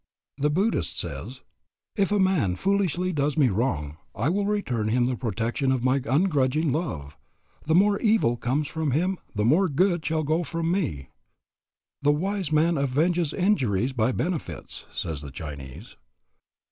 The Buddhist says, "If a man foolishly does me wrong I will return him the protection of my ungrudging love. The more evil comes from him the more good shall go from me." "The wise man avenges injuries by benefits," says the Chinese.